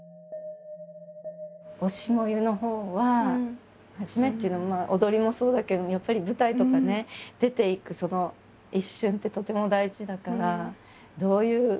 「推し、燃ゆ」のほうは初めっていうのは踊りもそうだけどやっぱり舞台とかね出ていくその一瞬ってとても大事だからどういう。